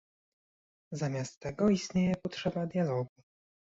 zamiast tego istnieje potrzeba dialogu